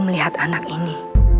melihat anak ini